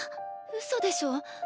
うそでしょ？